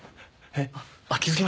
えっ？